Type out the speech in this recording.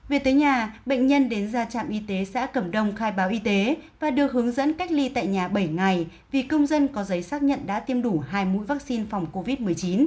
về tới nhà bệnh nhân đến ra trạm y tế xã cẩm đông khai báo y tế và được hướng dẫn cách ly tại nhà bảy ngày vì công dân có giấy xác nhận đã tiêm đủ hai mũi vaccine phòng covid một mươi chín